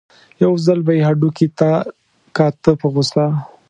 یو ځل به یې هډوکي ته کاته په غوسه.